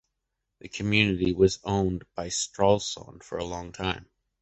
The community was owned by Stralsund for a long time.